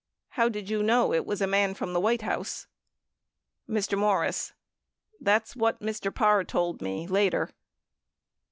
How did you know it was a man from the "White House? Mr. Morris. That's what Mr. Parr told me later.